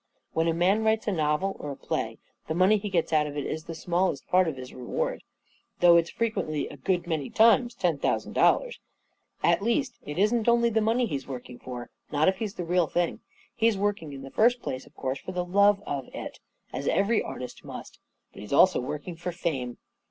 When a man writes a novel or a play, the money he gets out of it is the smallest part of his reward 14 A KING IN BABYLON — though it's frequently a good many times ten thousand dollars ! At least, it isn't only the money he's working for — not if he's the real thing. He's working in the first place, of course, for the love of it, as every artist must; but he's also working for fame.